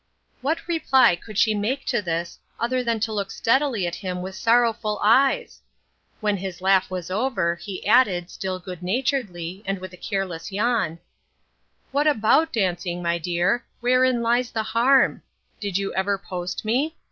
What reply could she make to this, other than to look steadily at him with sorrowful eyes ? When his laugh was over, he added, still good naturedly, and with a careless yawn :—" What about dancing, my dear ; wherein lies the harm ? Did you ever post me